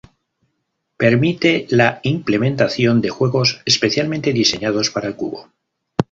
Permite la implementación de juegos especialmente diseñados para el cubo.